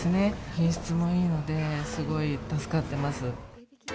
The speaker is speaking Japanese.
品質もいいので、すごい助かってます。